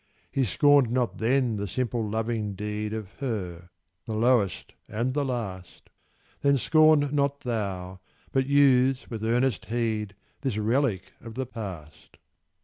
He scorned not then the simple loving deed Of her, the lowest and the last; Then scorn not thou, but use with earnest heed This relic of the past.